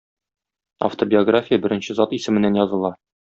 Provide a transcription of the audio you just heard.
Автобиография беренче зат исеменнән языла.